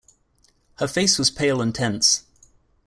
Her face was pale and tense.